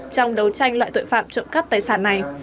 trong đấu tranh loại tội phạm trộm cắp tài sản này